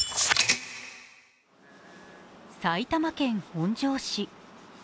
埼玉県本庄市。